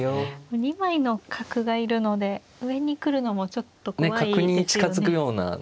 ２枚の角がいるので上に来るのもちょっと怖いですよね。